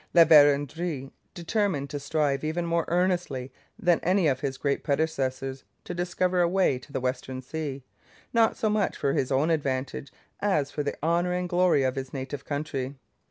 La Vérendrye determined to strive even more earnestly than any of his great predecessors to discover a way to the Western Sea, not so much for his own advantage as for the honour and glory of his native country.